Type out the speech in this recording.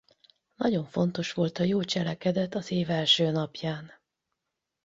Nagyon fontos volt a jó cselekedet az év első napján.